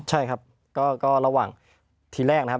ใช่ครับก็ระหว่างทีแรกนะครับ